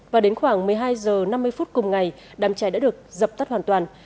và đến khoảng một mươi hai h năm mươi phút cùng ngày đám cháy đã được dập tắt hoàn toàn